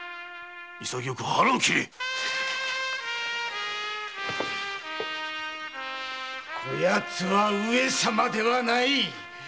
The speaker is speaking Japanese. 潔く腹を切れこやつは上様ではない。